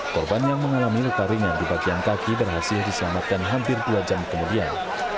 korban yang mengalami luka ringan di bagian kaki berhasil diselamatkan hampir dua jam kemudian